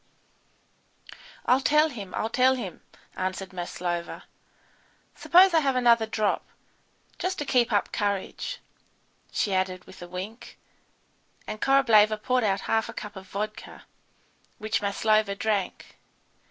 "I'll tell him I'll tell him," answered Maslova. "Suppose I have another drop, just to keep up courage," she added, with a wink; and Korableva poured out half a cup of vodka, which Maslova drank.